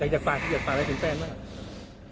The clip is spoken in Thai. แต่อยากฟังที่อยากฟังแล้วเต็มแป้นมาก